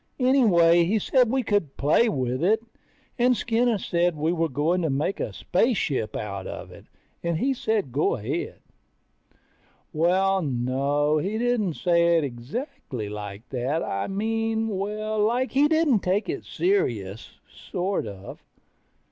Anyway he said we could play with it, and Skinny said we were going to make a spaceship out of it, and he said go ahead. Well, no, he didn't say it exactly like that. I mean, well, like he didn't take it serious, sort of.